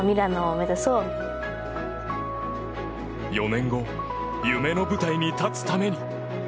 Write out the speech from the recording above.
４年後夢の舞台に立つために。